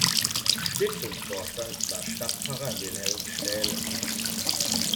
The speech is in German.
Stiftungsvorstand war Stadtpfarrer Wilhelm Stähle.